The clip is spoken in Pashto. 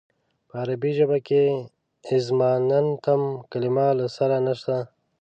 په عربي ژبه کې اظماننتم کلمه له سره نشته.